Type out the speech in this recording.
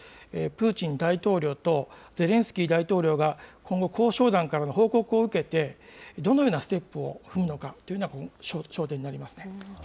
プーチン大統領とゼレンスキー大統領が、今後、交渉団からの報告を受けて、どのようなステップを踏むのかというのは焦点になりますね。